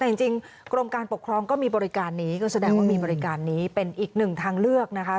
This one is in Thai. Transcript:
แต่จริงกรมการปกครองก็มีบริการนี้ก็แสดงว่ามีบริการนี้เป็นอีกหนึ่งทางเลือกนะคะ